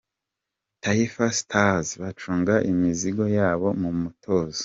Taifa Stars bacunga imizigo yabo mu mutuzo.